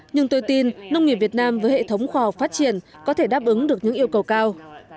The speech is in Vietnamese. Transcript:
nhưng tôi tin nông nghiệp việt nam với hệ thống khoa học phát triển có thể đáp ứng được những yêu cầu cao